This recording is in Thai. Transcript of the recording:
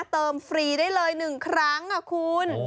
เติมฟรีได้เลยหนึ่งครั้งค่ะคุณ